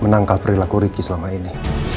menangkal perilaku riki selama ini